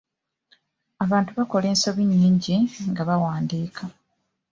Abantu bakola ensobi nyingi nga bawandiika.